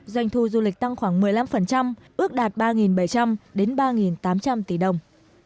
doanh thu du lịch tăng khoảng một mươi năm ước đạt ba bảy trăm linh đến ba tám trăm linh tỷ đồng